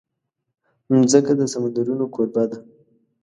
مځکه د سمندرونو کوربه ده.